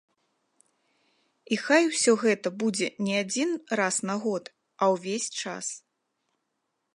І хай усё гэта будзе не адзін раз на год, а ўвесь час!